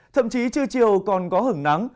thậm chí trưa chiều còn có hứng nắng